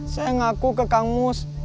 saya ngaku ke kang mus